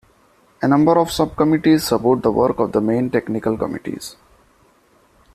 A number of Sub-Committees support the work of the main technical committees.